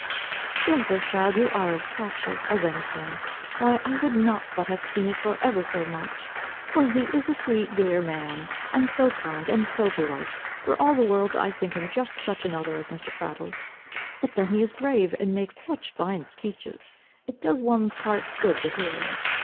"Bless us, child, you are as captious as any thing. Why I would not but have seen it for ever so much. Well, he is a sweet dear man, and so kind, and so polite, for all the world I think him just such another as Mr. Prattle. But then he is grave, and makes such fine speeches, it does one's heart good to hear him.